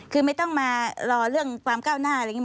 คือไม่ต้องมารอเรื่องความก้าวหน้าอะไรอย่างนี้